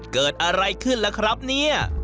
เกิดอะไรขึ้นล่ะครับเนี่ย